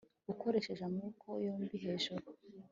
Ukoresheje amaboko yombi hejuru